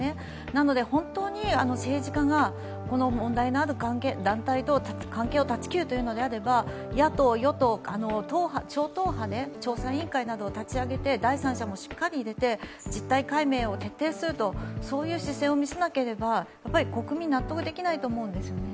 なので本当に政治家がこの問題のある団体と関係を断ちきるというのであれば、野党、与党は、超党派、調査委員会などを立ち上げて第三者などもしっかり入れて実態解明を徹底するとそういう姿勢を示さなければ、国民納得できないと思うんですね。